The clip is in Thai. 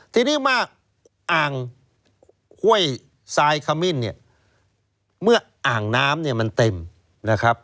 ทีนี้มาอ่างห้วยทรายขมิ้นเนี่ยเมื่ออ่างน้ำเนี่ยมันเต็มนะครับ